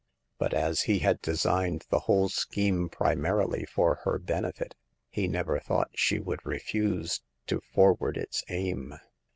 But as he had designed the whole scheme primarily for her benefit, he never thought she would refuse to forward its aim.